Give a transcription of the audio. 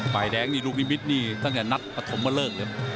ไปแดงนี่ลูกลิมิตนี่ตั้งแต่นัดประถมมาเริ่ม